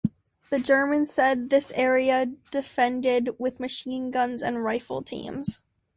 The Germans had this area defended with machine guns and rifle teams.